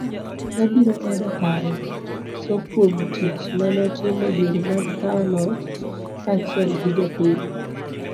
wabiro medo paro Soo kuom tich manotimo diere mag kawo loch kaachiel gi jopiny